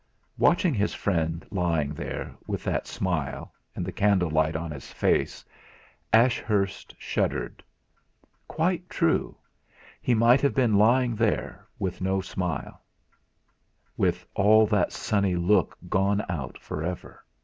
Watching his friend, lying there, with that smile, and the candle light on his face, Ashurst shuddered. Quite true! He might have been lying there with no smile, with all that sunny look gone out for ever!